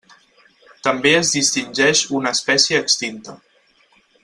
També es distingeix una espècie extinta.